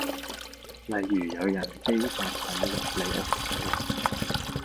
例如有人非法闖入你屋企